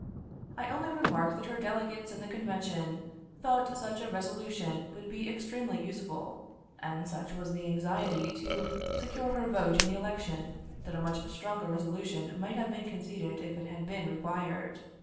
I only remark that her delegates in the convention thought such a resolution would be extremely useful, and such was the anxiety to secure her vote in the election that a much stronger resolution might have been conceded if it had been required.